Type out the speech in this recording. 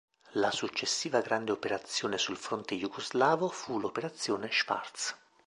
La successiva grande operazione sul fronte jugoslavo fu l'operazione "Schwarz".